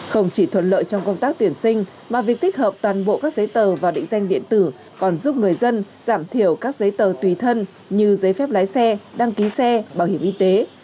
không chỉ thuận lợi trong công tác tuyển sinh mà việc tích hợp toàn bộ các giấy tờ và định danh điện tử còn giúp người dân giảm thiểu các giấy tờ tùy thân như giấy phép lái xe đăng ký xe bảo hiểm y tế